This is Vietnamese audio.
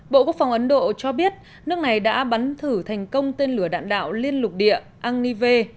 bộ quốc phòng ấn độ cho biết nước này đã bắn thử thành công tên lửa đạn đạo liên lục địa anive